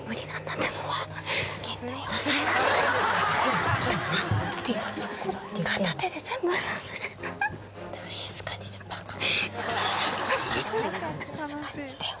だから、静かにして。